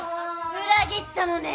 裏切ったのね！